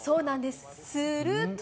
すると。